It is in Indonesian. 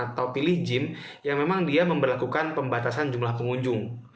kemudian juga pilih ruangan atau pilih gym yang memang dia memperlakukan pembatasan jumlah pengunjung